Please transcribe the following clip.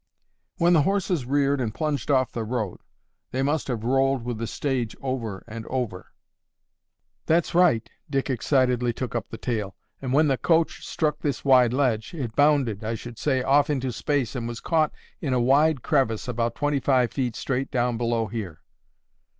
"When the horses reared and plunged off the road, they must have rolled with the stage over and over." "That's right," Dick excitedly took up the tale, "and when the coach struck this wide ledge, it bounded, I should say, off into space and was caught in a wide crevice about twenty five feet straight down below here."